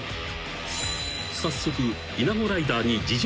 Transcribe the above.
［早速］